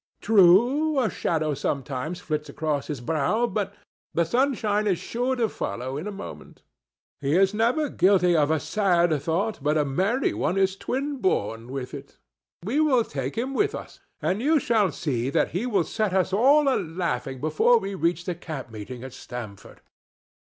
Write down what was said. True, a shadow sometimes flits across his brow, but the sunshine is sure to follow in a moment. He is never guilty of a sad thought but a merry one is twin born with it. We will take him with us, and you shall see that he will set us all a laughing before we reach the camp meeting at Stamford."